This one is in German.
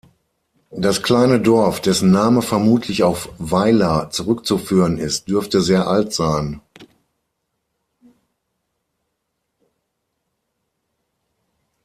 Das kleine Dorf, dessen Name vermutlich auf Weiler zurückzuführen ist, dürfte sehr alt sein.